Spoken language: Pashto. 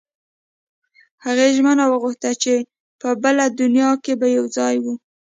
هغې ژمنه وغوښته چې په بله دنیا کې به یو ځای وو